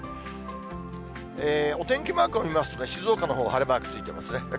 お天気マークを見ますと、静岡のほうは晴れマークついてますね。